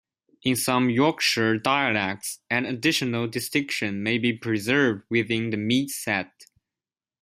In some Yorkshire dialects, an additional distinction may be preserved within the "meat" set.